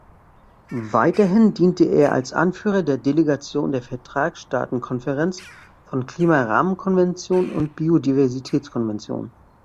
Weiterhin diente er als Anführer der Delegation der Vertragsstaatenkonferenz von Klimarahmenkonvention und Biodiversitätskonvention.